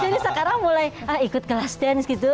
jadi sekarang mulai ikut kelas dance gitu